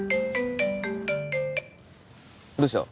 どうした？